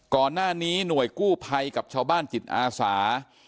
ก่อนหน้านี้หน่วยกู้ภัยกับชาวบ้านจิตอาสา